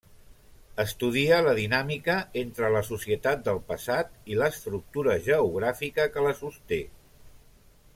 Estudia la dinàmica entre la societat del passat i l'estructura geogràfica que la sosté.